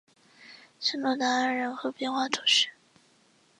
圣若达尔人口变化图示